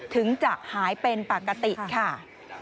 ถึงจะหายเป็นปกติค่ะ